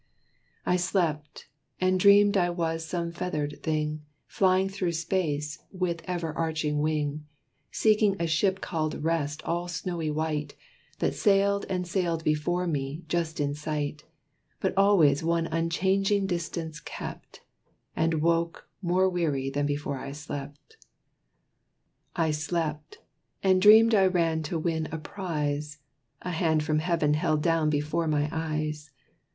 I slept, and dreamed I was some feathered thing, Flying through space with ever aching wing, Seeking a ship called Rest all snowy white, That sailed and sailed before me, just in sight, But always one unchanging distance kept, And woke more weary than before I slept. I slept, and dreamed I ran to win a prize. A hand from heaven held down before my eyes.